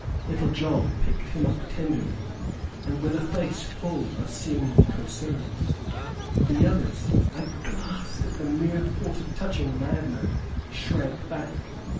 Little John picked him up tenderly and with a face full of seeming concern. The others, aghast at the mere thought of touching a madman, shrank back.